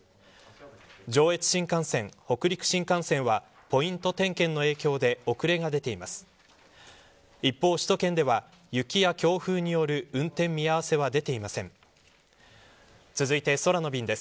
上越新幹線、北陸新幹線はポイント点検の影響で遅れが出ています。